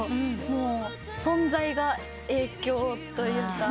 存在が影響というか。